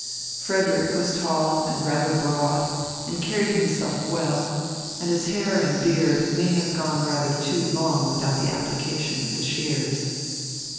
Frederick was tall and rather broad and carried himself well, and his hair and beard may have gone rather too long without the application of the shears.